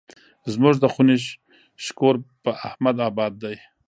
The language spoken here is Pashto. زموږ د خونې شکور په احمد اباد دی.